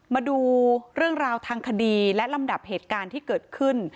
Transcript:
มาดูเรื่องราวทางคดีและลำดับเหตุการณ์ที่เกิดขึ้น